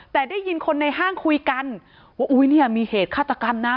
แต่ได้ยินคนในห้างคุยกันว่ามีเหตุฆาตกรรมนะ